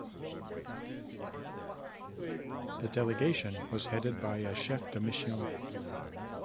The delegation was headed by a chef-de-mission.